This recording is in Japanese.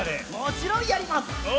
もちろんやります！